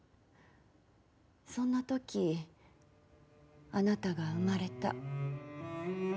そんな時あなたが生まれた。